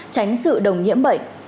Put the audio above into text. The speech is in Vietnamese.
tránh sự đồng nhiễm bệnh